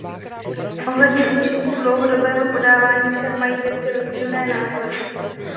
Ohledně účinků dlouhodobého podávání však mají vědci rozdílné názory.